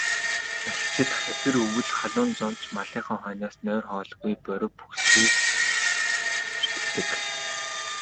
Малчид хахир өвөл, халуун зун ч малынхаа хойноос нойр, хоолгүй борви бохисхийлгүй зүтгэдэг.